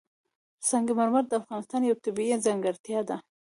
سنگ مرمر د افغانستان یوه طبیعي ځانګړتیا ده.